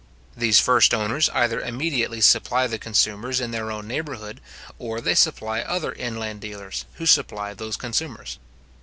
These first owners either immediately supply the consumers in their own neighbourhood, or they supply other inland dealers, who supply those consumers.